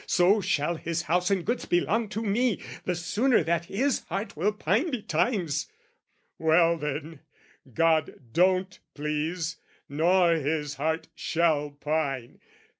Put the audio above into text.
"So shall his house and goods belong to me, "The sooner that his heart will pine betimes?" Well then, God don't please, nor his heart shall pine!